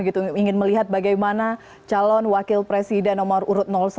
ingin melihat bagaimana calon wakil presiden nomor urut satu